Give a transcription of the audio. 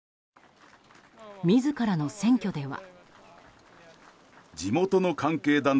自らの選挙では。